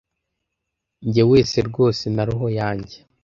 Nje wese rwose na roho yanjye